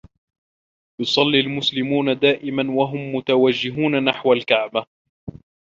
يصّلي المسلمون دائما و هم متوجّهون نحو الكعبة.